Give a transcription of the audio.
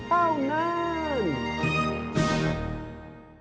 เต้องาน